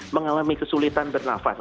mengalami kesulitan bernafas